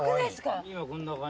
今こんな感じ。